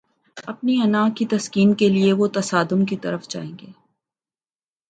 اپنی انا کی تسکین کے لیے وہ تصادم کی طرف جائیں گے۔